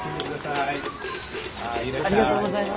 ありがとうございます。